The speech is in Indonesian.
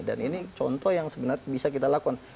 dan ini contoh yang sebenarnya bisa kita lakukan